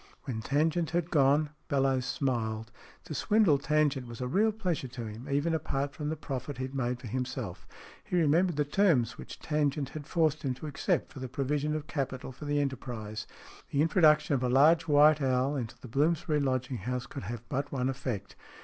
When Tangent had gone Bellowes smiled. To swindle Tangent was a real pleasure to him, even apart from the profit he made for himself. He remembered the terms which Tangent had forced him to accept for the provision of capital for the enterprise. The introduction of a large white owl into the Bloomsbury lodging house could have but one effect.